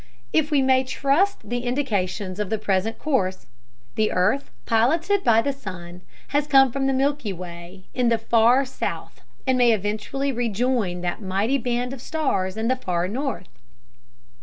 If we may trust the indications of the present course, the earth, piloted by the sun, has come from the Milky Way in the far south and may eventually rejoin that mighty band of stars in the far north.